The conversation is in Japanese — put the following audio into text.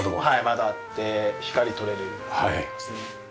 窓あって光とれるようになってますね。